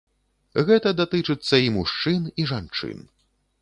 Гэта датычыцца і мужчын, і жанчын.